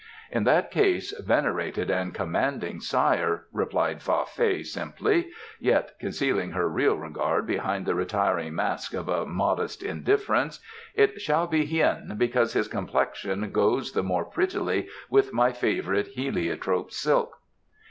"In that case, venerated and commanding sire," replied Fa Fei simply, yet concealing her real regard behind the retiring mask of a modest indifference, "it shall be Hien, because his complexion goes the more prettily with my favourite heliotrope silk."